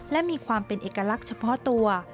และมีความเป็นเอกลักษณ์เฉพาะตัว